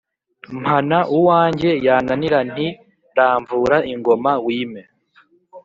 mpana uwange yananira nti: “ramvura ingoma wime!”